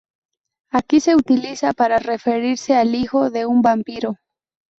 Aquí se utiliza para referirse al "hijo" de un vampiro.